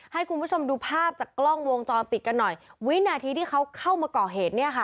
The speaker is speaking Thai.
ให้คุณผู้ชมดูภาพจากกล้องวงจรปิดกันหน่อยวินาทีที่เขาเข้ามาก่อเหตุเนี่ยค่ะ